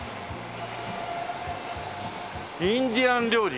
インディアン料理？